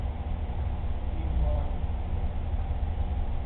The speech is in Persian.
دیمهاج